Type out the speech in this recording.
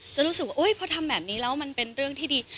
รู้สึกว่าพอทำแบบนี้แล้วมันเป็นเรื่องที่ดี